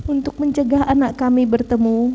untuk mencegah anak kami bertemu